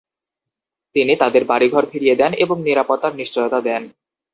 তিনি তাদের বাড়িঘর ফিরিয়ে দেন এবং নিরাপত্তার নিশ্চয়তা দেন।